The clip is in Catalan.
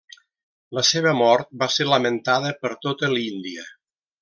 La seva mort va ser lamentada per tota l'Índia.